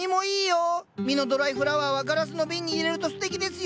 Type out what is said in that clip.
実のドライフラワーはガラスの瓶に入れるとすてきですよ。